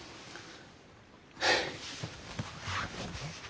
はあ。